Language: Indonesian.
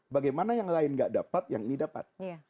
bagaimana yang lain gak dapat yang ini dapat